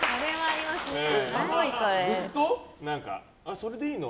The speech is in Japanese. それでいいの？